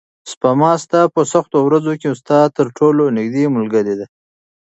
سپما ستا په سختو ورځو کې ستا تر ټولو نږدې ملګرې ده.